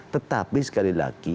tetapi sekali lagi